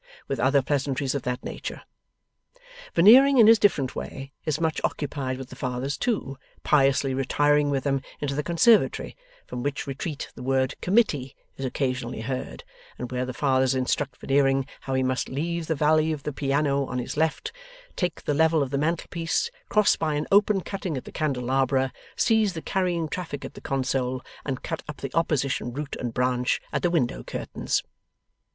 with other pleasantries of that nature. Veneering, in his different way, is much occupied with the Fathers too, piously retiring with them into the conservatory, from which retreat the word 'Committee' is occasionally heard, and where the Fathers instruct Veneering how he must leave the valley of the piano on his left, take the level of the mantelpiece, cross by an open cutting at the candelabra, seize the carrying traffic at the console, and cut up the opposition root and branch at the window curtains.